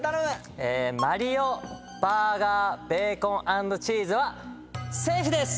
マリオ・バーガーベーコン＆チーズはセーフです！